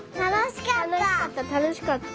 たのしかった！